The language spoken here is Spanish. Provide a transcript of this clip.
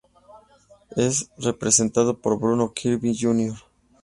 Es representado por Bruno Kirby, Jr.